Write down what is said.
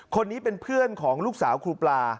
คนนี้เป็นเพื่อนของลูกสาวครูปลา